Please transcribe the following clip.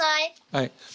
はい。